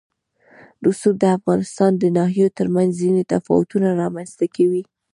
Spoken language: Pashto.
رسوب د افغانستان د ناحیو ترمنځ ځینې تفاوتونه رامنځ ته کوي.